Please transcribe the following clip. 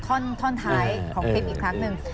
ท่อนท้ายของคลิปอีกครั้งหนึ่ง